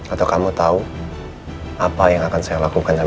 atau kamu tau apa yang akan saya lakukan sama kamu